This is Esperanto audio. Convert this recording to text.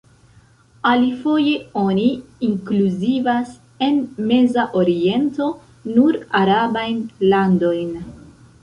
Alifoje, oni inkluzivas en "Meza Oriento" nur arabajn landojn.